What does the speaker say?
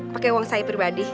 pakai uang saya pribadi